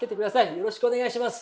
よろしくお願いします。